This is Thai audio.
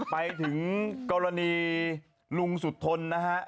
ไปถึงกรณีลุงสุธนนะฮะ